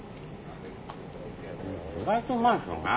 意外とうまいっすよね。